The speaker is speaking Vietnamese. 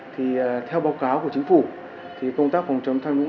thì theo báo cáo của chính phủ thì công tác phòng chống tham nhũng